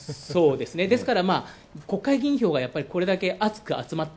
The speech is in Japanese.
ですから、国会議員票がこれだけ厚く集まった。